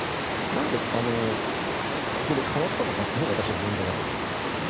なんで、ここで変わったのかというのが私は問題だと思うんです。